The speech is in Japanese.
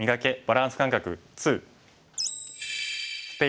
バランス感覚２」。